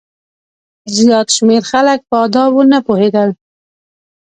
زیات شمېر خلک په آدابو نه پوهېدل.